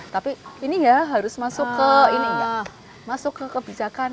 tapi ini ya harus masuk ke kebijakan